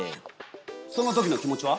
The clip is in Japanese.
その時の気持ちは？